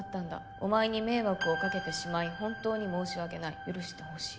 「お前に迷惑をかけてしまい本当に申し訳ない許してほしい」